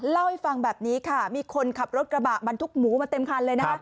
เล่าให้ฟังแบบนี้ค่ะมีคนขับรถกระบะบรรทุกหมูมาเต็มคันเลยนะคะ